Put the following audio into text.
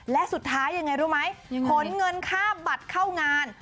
และสุดท้ายยังไงรู้ไหมขนเงินค่าบัตรเข้างาน